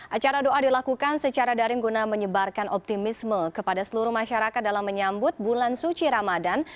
acara doa dilakukan secara daring guna menyebarkan optimisme kepada seluruh masyarakat dalam menyambut bulan suci ramadan